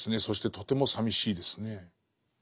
そしてとてもさみしいですね。